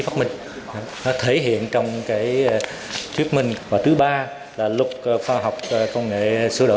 phát minh thứ ba là có cơ chế để hỗ trợ đăng ký phát minh thứ ba là có cơ chế để hỗ trợ đăng ký phát minh